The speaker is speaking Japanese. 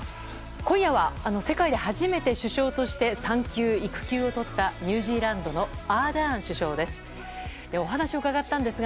今夜は世界で初めて首相として産休・育休をとったニュージーランドのアーダーン首相です。